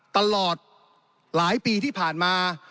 ตลอดหลายปีที่ผ่านมา